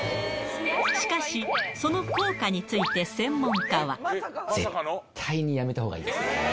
しかし、その効果について、絶対にやめたほうがいいですね。